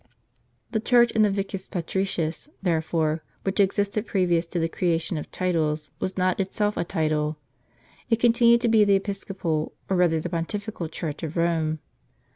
The church in the Vicus Patricius, therefore, which existed previous to the creation of titles, was not itself a title. It continued to be the episcopal, or rather the pontifical church of Eome.